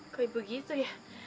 kayak begitu ya